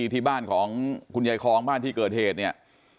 ที่บ้านของคุณยายคลองบ้านที่เกิดเหตุเนี่ย